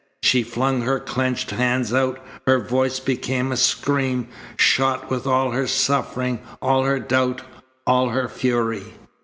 She flung her clenched hands out. Her voice became a scream, shot with all her suffering, all her doubt, all her fury.